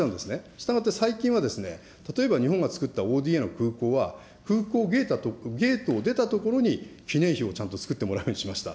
従って、最近は例えば日本が作ったＯＤＡの空港は、空港ゲートを出た所に記念碑をちゃんと作ってもらうことにしました。